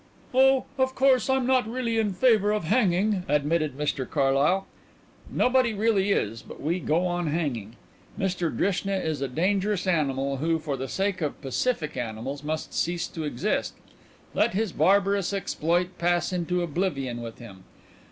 "Oh, of course I'm not really in favour of hanging," admitted Mr Carlyle. "Nobody really is. But we go on hanging. Mr Drishna is a dangerous animal who for the sake of pacific animals must cease to exist. Let his barbarous exploit pass into oblivion with him.